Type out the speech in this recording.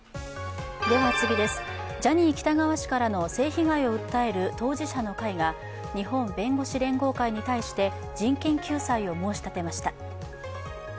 ジャニー喜多川氏からの性被害を訴える当事者の会が日本弁護士連合会に対して人権救済を申し立てました。